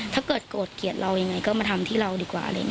ถ้าเกิดโกรธเกลียดเรายังไงก็มาทำที่เราดีกว่า